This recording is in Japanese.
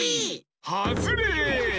はずれ！